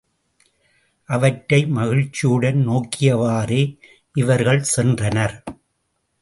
அவற்றை மகிழ்ச்சியுடன் நோக்கியவாறே இவர்கள் சென்றனர்.